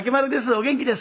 お元気ですか？」。